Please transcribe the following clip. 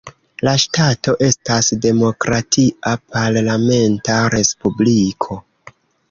La ŝtato estas demokratia, parlamenta respubliko.